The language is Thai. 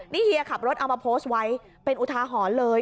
นี่เฮียขับรถเอามาโพสต์ไว้เป็นอุทาหรณ์เลย